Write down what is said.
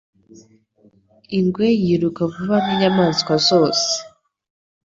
Ingwe yiruka vuba nkinyamaswa zose.